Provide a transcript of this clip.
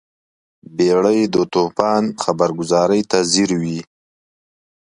بیړۍ د توپان خبرګذارۍ ته ځیر وي.